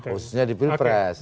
khususnya di pilpres